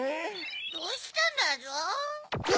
どうしたんだゾウ？